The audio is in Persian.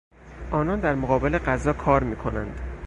آنان در مقابل غذا کار میکنند.